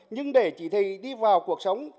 nhưng để chỉ thị đi vào cuộc sống